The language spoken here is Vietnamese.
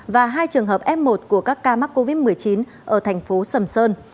và hai trường hợp f một của các ca mắc covid một mươi chín ở thành phố sầm sơn